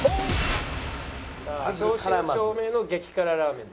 「正真正銘の激辛ラーメンです」。